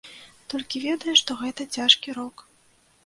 Толькі ведае, што гэта цяжкі рок.